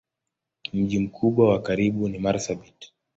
Mji mkubwa wa karibu ni Marsabit.